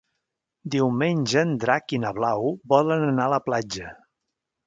Diumenge en Drac i na Blau volen anar a la platja.